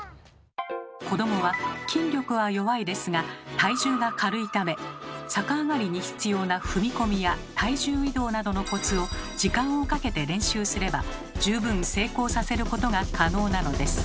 子どもは筋力は弱いですが体重が軽いため逆上がりに必要な「踏み込み」や「体重移動」などのコツを時間をかけて練習すれば十分成功させることが可能なのです。